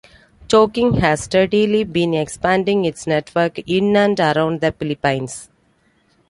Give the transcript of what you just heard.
Chowking has steadily been expanding its network in and around the Philippines.